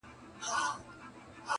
په عذاب رانه د كلي سودخوران دي٫